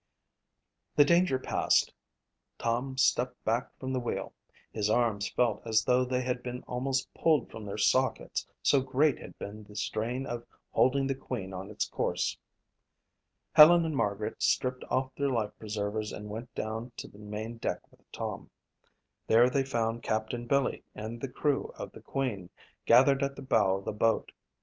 The danger past, Tom stepped back from the wheel. His arms felt as though they had been almost pulled from their sockets, so great had been the strain of holding the Queen on its course. Helen and Margaret stripped off their life preservers and went down to the main deck with Tom. There they found Captain Billy and the crew of the Queen gathered at the bow of the boat.